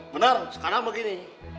benar sekarang begini